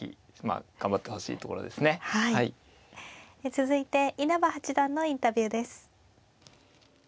続いて稲葉八段のインタビューです。